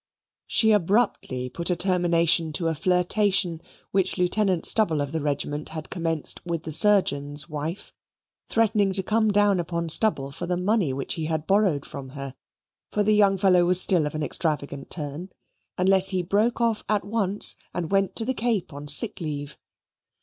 She abruptly put a termination to a flirtation which Lieutenant Stubble of the regiment had commenced with the Surgeon's wife, threatening to come down upon Stubble for the money which he had borrowed from her (for the young fellow was still of an extravagant turn) unless he broke off at once and went to the Cape on sick leave.